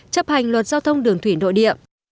chấp hành luật giao thông đường thủy nội địa